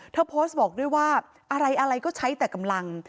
เธอโพสต์บอกด้วยว่าอะไรก็ใช้แต่กำลัง